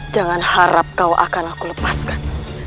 jangan harap kau akan aku lepaskan